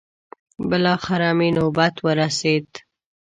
بلاخره مې نوبت ورسېد.